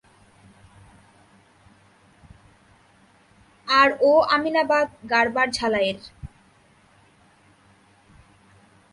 আর ও আমিনাবাদ, গাড়বারঝালা এর।